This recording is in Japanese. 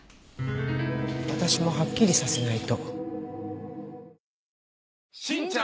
私もはっきりさせないと。